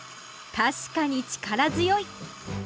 確かに力強い。